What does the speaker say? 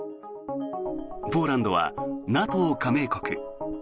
ポーランドはＮＡＴＯ加盟国。